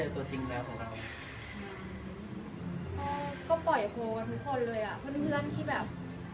ก็ปล่อยโฟล์กันทุกคนเลยอะเพื่อนที่แบบ